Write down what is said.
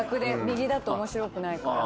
右だと面白くないから。